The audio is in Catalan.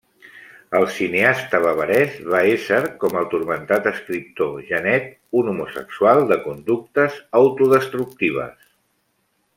El cineasta bavarès va ésser, com el turmentat escriptor Genet, un homosexual de conductes autodestructives.